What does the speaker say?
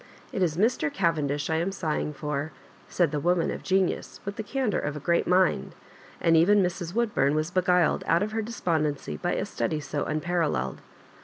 ' It is Mr. Cavendisli I am sighing for," said the woman of genius, with the candour of a great mind ; and even Mrs. Woodbum was beguiled out of her despondwiey by a study so unparalleled.